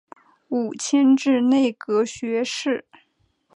五迁至内阁学士。